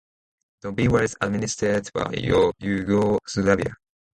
Zone B was administered by Yugoslavia.